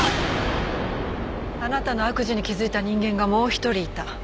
あなたの悪事に気づいた人間がもう１人いた。